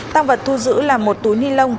tăng vật thu giữ là một túi ni lông